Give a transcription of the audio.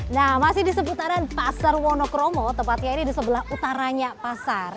nah masih di seputaran pasar wonokromo tepatnya ini di sebelah utaranya pasar